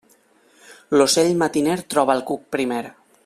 L'ocell matiner troba el cuc primer.